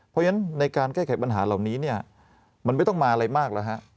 เพราะฉะนั้นในการแก้ไขปัญหาเหล่านี้เนี่ยมันไม่ต้องมาอะไรมากแล้วฮะ